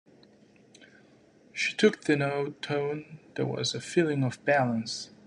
She took their tone; there was a feeling of balance.